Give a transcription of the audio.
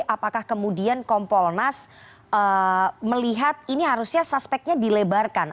apakah kemudian kompolnas melihat ini harusnya suspeknya dilebarkan